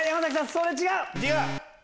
それ違う。